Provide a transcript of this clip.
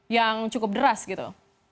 yang cukup deras gitu